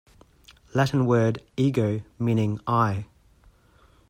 Latin word "ego" meaning I.